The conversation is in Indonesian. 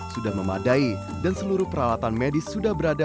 sudah memadai dan seluruh peralatan medis sudah berada